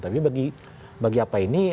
tapi bagi apa ini